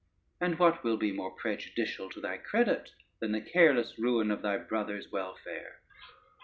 and what will be more prejudicial to thy credit, than the careless ruin of thy brothers' welfare?